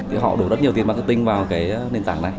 thì họ đổ rất nhiều tiền marketing vào cái nền tảng này